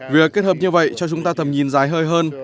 việc kết hợp như vậy cho chúng ta tầm nhìn dài hơi hơn